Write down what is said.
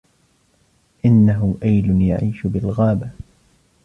إنه أيل يعيش بالغابة